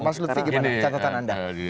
mas lutfi gimana catatan anda